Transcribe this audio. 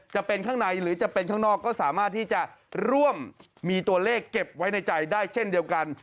จะเป็นข้างในหรือจะเป็นข้างนอกก็สามารถที่จะร่วมมีตัวเลขเก็บไว้ในใจได้เช่นเดียวกัน